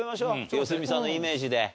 良純さんのイメージで。